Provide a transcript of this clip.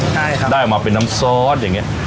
ใช่ครับได้ออกมาเป็นน้ำซอสอย่างนี้